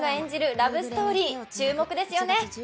ラブストーリー注目ですよね